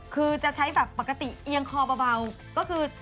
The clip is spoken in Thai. คุณสามารถแบบปกติใช้เป็นเรียงขอเบาก็คือ